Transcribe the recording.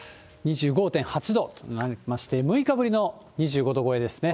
２５．８度となりまして、６日ぶりの２５度超えですね。